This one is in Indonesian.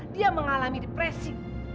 dia mengalami depresi